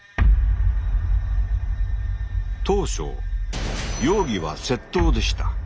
当初容疑は窃盗でした。